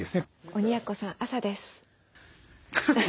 鬼奴さん朝です。